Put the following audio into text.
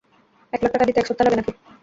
এক লাখ টাকা দিতে এক সপ্তাহ লাগে নাকি?